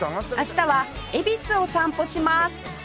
明日は恵比寿を散歩します